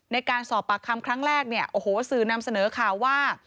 ในการสอบปากคำครั้งแรกเนี่ยโอ้โหสื่อนำเสนอข่าวว่า